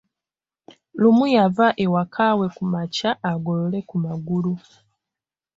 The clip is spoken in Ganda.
Lumu yava ewakaawe kumakya agolole ku magulu.